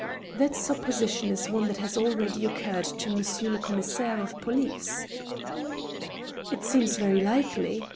'' That supposition is one that has already occurred to monsieur le commissaire of police." '•It seems very likely.